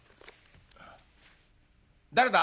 誰だ？